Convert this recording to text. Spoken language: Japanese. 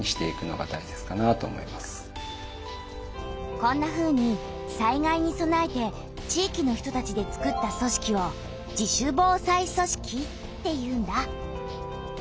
こんなふうに災害にそなえて地域の人たちで作った組織を「自主防災組織」っていうんだ。